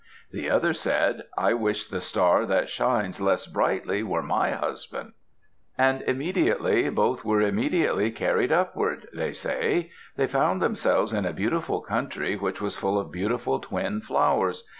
The other said, "I wish the star that shines less brightly were my husband." And immediately both were immediately carried upward, they say. They found themselves in a beautiful country which was full of beautiful twin flowers.